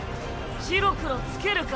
白黒つけるか。